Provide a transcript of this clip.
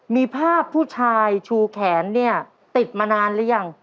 มีภาพผู้ชายชูแขนเนี่ยติดมานานหรือยัง